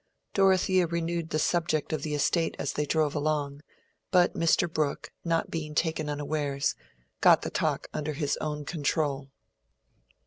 Dorothea renewed the subject of the estate as they drove along, but Mr. Brooke, not being taken unawares, got the talk under his own control.